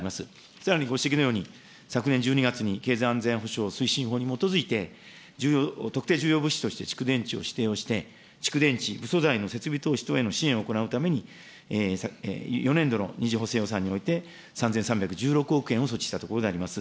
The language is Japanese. さらにご指摘のように、昨年１２月に経済安全保障推進法に基づいて、特定重要物資として、蓄電池を指定をして、蓄電池の支援を行うために、４年度の２次補正予算において、３３１６億円を措置したところでございます。